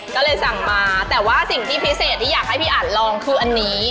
ก็เลยสั่งมาแต่ว่าสิ่งที่พิเศษที่อยากให้พี่อันลองคืออันนี้